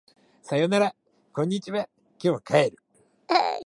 さよならこんにちは今日帰る